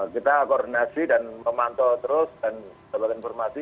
kita koordinasi dan memantau terus dan dapat informasi